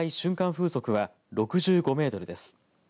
風速は６５メートルです。